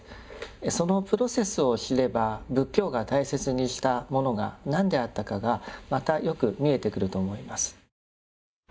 そのプロセスを知れば仏教が大切にしたものが何であったかがまたよく見えてくると思います。